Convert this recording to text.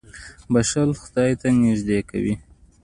• بښل خدای ته نېږدې کوي.